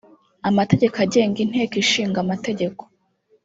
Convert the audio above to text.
Amategeko agenga Inteko Ishinga amategeko